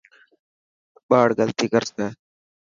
ٻاڙ غلطي ڪرسي.